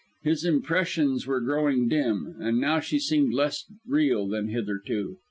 His impressions were growing dim; and now she seemed less real than hitherto.